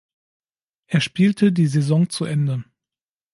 Er spielte die Saison zu Ende.